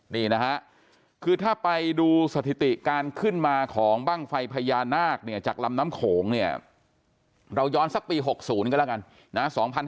นี่นะฮะคือถ้าไปดูสถิติการขึ้นมาของบ้างไฟพญานาคเนี่ยจากลำน้ำโขงเนี่ยเราย้อนสักปี๖๐ก็แล้วกันนะ